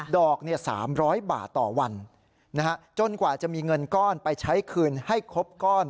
ดอกเนี้ยสามร้อยบาทต่อวันนะฮะจนกว่าจะมีเงินก้อนไปใช้คืนให้ครบก้อน